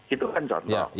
itu kan contoh